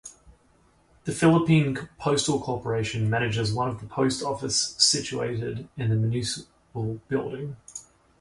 The Philippine Postal Corporation manages one post office situated in the municipal building.